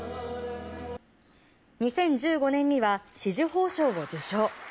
２０１５年には紫綬褒章を受章。